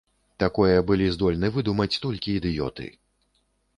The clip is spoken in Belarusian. Такое былі здольны выдумаць толькі ідыёты.